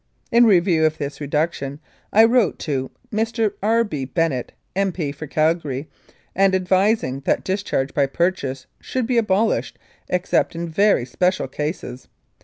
In view of this reduction, I wrote to Mr. R. B. Bennett, M.P. for Calgary, ad vising that discharge by purchase should be abolished except in very special cases.